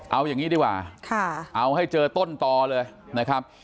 เอาอย่างนี้ดีกว่าเอาให้เจอต้นต่อเลยนะครับ